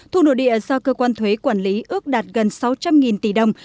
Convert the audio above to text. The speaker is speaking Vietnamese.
thu nội địa do cơ quan thuế quản lý ước đạt gần sáu trăm linh tỷ đồng